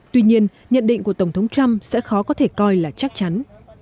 tuy nhiên nhận định của tổng thống trump sẽ khó có thể coi là chắc chắn